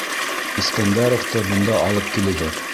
— Искәндәровты бында алып килегеҙ.